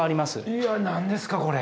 いや何ですかこれ。